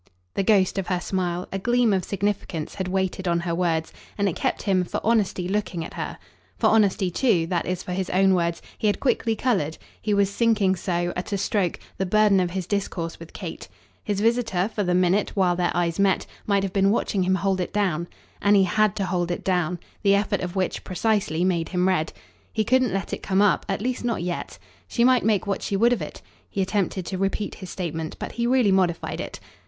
The ghost of her smile, a gleam of significance, had waited on her words, and it kept him, for honesty, looking at her. For honesty too that is for his own words he had quickly coloured: he was sinking so, at a stroke, the burden of his discourse with Kate. His visitor, for the minute, while their eyes met, might have been watching him hold it down. And he HAD to hold it down the effort of which, precisely, made him red. He couldn't let it come up; at least not yet. She might make what she would of it. He attempted to repeat his statement, but he really modified it.